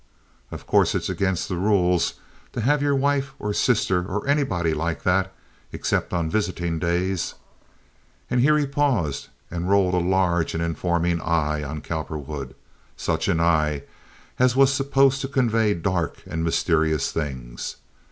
Of course, it's against the rules to have your wife or sister or anybody like that, except on visiting days—" And here he paused and rolled a large and informing eye on Cowperwood—such an eye as was supposed to convey dark and mysterious things.